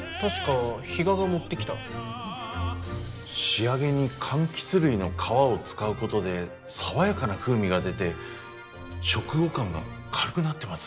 仕上げにかんきつ類の皮を使うことで爽やかな風味が出て食後感が軽くなってます。